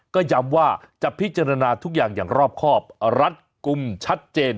ก็ย้ำว่าจะพิจารณาทุกอย่างอย่างรอบครอบรัดกลุ่มชัดเจน